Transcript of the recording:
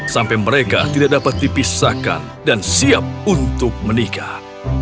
sampai mereka tidak dapat dipisahkan dan siap untuk menikah